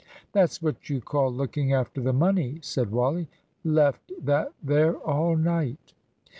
"That's what you call looking after the money," said Wally. "Left that there all night."